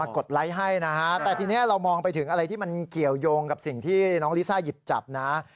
ดไลค์ให้นะฮะแต่ทีนี้เรามองไปถึงอะไรที่มันเกี่ยวยงกับสิ่งที่น้องลิซ่าหยิบจับนะ